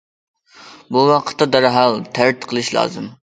بۇ ۋاقىتتا دەرھال تەرەت قىلىش لازىم.